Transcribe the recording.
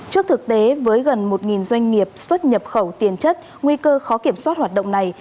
trước thực tế với gần một doanh nghiệp xuất nhập khẩu tiền chất nguy cơ khó kiểm soát hoạt động này